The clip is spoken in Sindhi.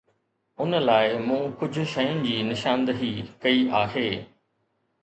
ان لاءِ مون ڪجهه شين جي نشاندهي ڪئي آهي.